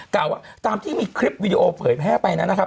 กล่าวว่าตามที่มีคลิปวิดีโอเผยแพร่ไปนั้นนะครับ